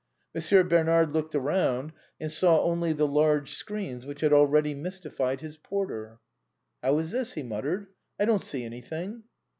Monsieur Bernard looked around, and saw only the large screens which had already mystified his porter. " How is this ?" he muttered. " I don't see anything."